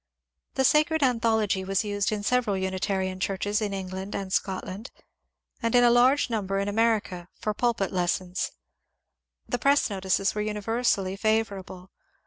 The ^^ Sacred Anthology " was used in several Unitarian churches in England and Scotland, and in a large number in America, for pulpit lessons. The press notices were univer sally favourable.